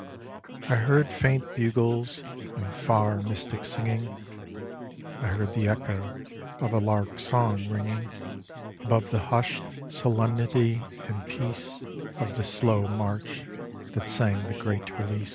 I heard faint bugles and far mystic singing, I heard the echo of a lark's song ringing Above the hushed solemnity and peace Of this slow march that sang the Great Release.